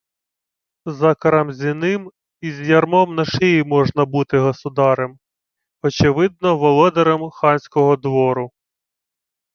За Карамзіним, і з ярмом на шиї можна бути государем, – очевидно, володарем ханського двору